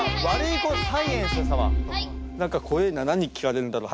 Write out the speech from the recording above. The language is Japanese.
何か怖えな何聞かれるんだろう？